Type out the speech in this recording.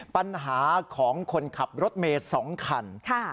ปัญหาของคนขับรถเมย์๒คัน